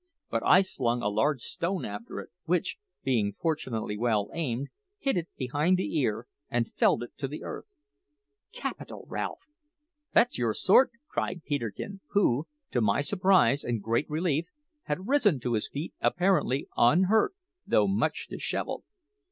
But I slung a large stone after it, which, being fortunately well aimed, hit it behind the ear and felled it to the earth. "Capital, Ralph! that's your sort!" cried Peterkin, who, to my surprise and great relief, had risen to his feet apparently unhurt, though much dishevelled.